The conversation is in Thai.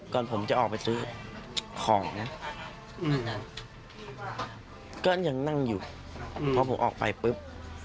ก่อนผมจะออกไปซื้อของนะก็ยังนั่งอยู่พอผมออกไปปุ๊บ